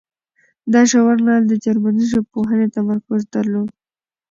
دا ژورنال د جرمني ژبپوهنې تمرکز درلود.